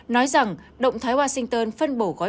nói rằng động thái washington phân bổ gói